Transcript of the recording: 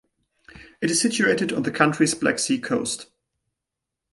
It is situated on the country's Black Sea coast.